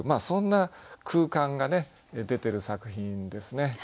そんな空間が出てる作品ですね。